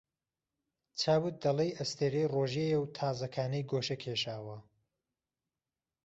چاوت دهلێی ئەستیرهی ڕۆژێیه و تازهکانەی گۆشه کێشاوه